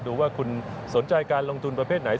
ดูว่าคุณสนใจการลงทุนประเภทไหน